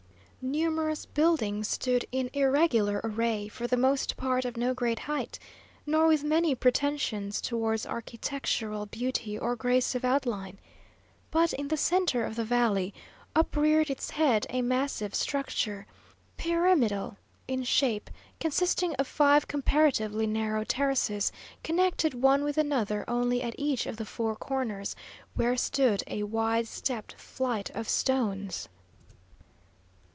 Numerous buildings stood in irregular array, for the most part of no great height, nor with many pretensions towards architectural beauty or grace of outline; but in the centre of the valley upreared its head a massive structure, pyramidal in shape, consisting of five comparatively narrow terraces, connected one with another only at each of the four corners, where stood a wide stepped flight of stones.